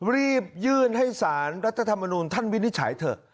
รีบยื่นให้สารรัฐธรรมนูลท่านวินิจฉัยเถอะ